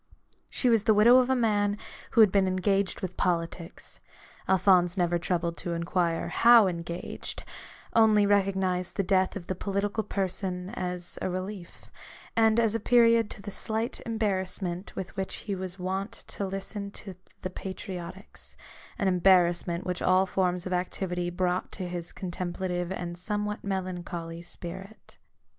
She was the widow of a man who had been engaged with politics : Alphonse never troubled to inquire how engaged ; only recognised the death of the political person as a relief, and as a period to the slight embarrass ment with which he was wont to listen to the patriotics — an embarrassment which all forms of activity brought to his contemplative and somewhat melancholy spirit.